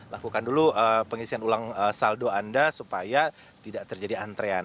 lakukan dulu pengisian ulang saldo anda supaya tidak terjadi antrean